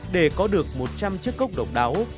để có được một trăm linh chiếc cốc độc đáo